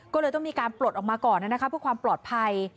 ก็เลยต้องมีการปลดออกมาก่อนนะคะเพื่อความปลอดภัย